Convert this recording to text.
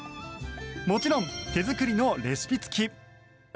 もちろん、手作りのレシピ付き。